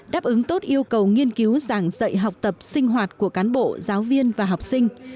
đáp ứng tốt yêu cầu nghiên cứu giảng dạy học tập sinh hoạt của cán bộ giáo viên và học sinh